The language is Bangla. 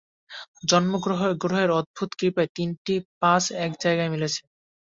জন্ম-গ্রহের অদ্ভুত কৃপায় তিনটে পাঁচ এক জায়গায় মিলেছে।